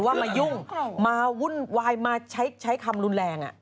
มายุ่งมาวุ่นวายมาใช้คำรุนแรง